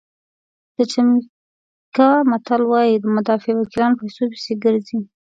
د جمیکا متل وایي مدافع وکیلان پیسو پسې ګرځي.